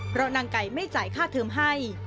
เพราะนางไก่ไม่จ่ายค่าเทิมให้